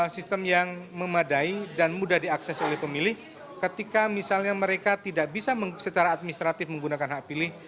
sistem yang memadai dan mudah diakses oleh pemilih ketika misalnya mereka tidak bisa secara administratif menggunakan hak pilih